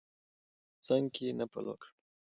د بیت الله شریف په څنګ کې نفل وکړ.